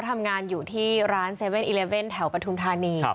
ทำงานอยู่ที่ร้านเซเว่น๑๑แถวประทุมธานี